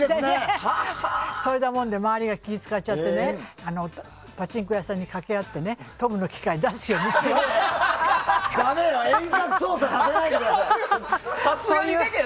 それで周りが気を使っちゃってパチンコ屋さんに掛け合ってトムの機械出すようにしろって。